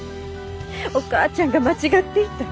お母ちゃんが間違っていた。